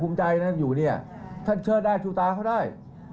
ใจท่านอยู่เนี่ยท่านเชิดได้ชูตาเขาได้